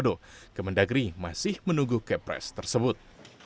dan permendagri masih menunggu kepres tersebut